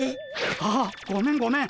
あっごめんごめん。